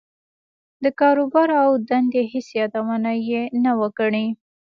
د کاروبار او دندې هېڅ يادونه يې نه وه کړې.